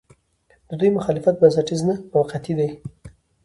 د دوی مخالفت بنسټیز نه، موقعتي دی.